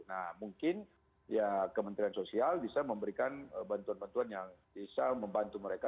nah mungkin ya kementerian sosial bisa memberikan bantuan bantuan yang bisa membantu mereka